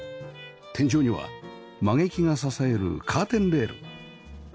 天井には曲げ木が支えるカーテンレール